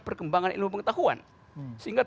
perkembangan ilmu pengetahuan sehingga